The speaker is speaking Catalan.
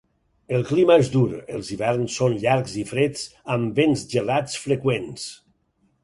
El clima és dur, els hiverns són llargs i freds amb vents gelats freqüents.